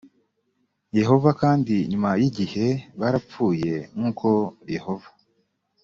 yehova kandi nyuma y igihe barapfuye nk uko yehova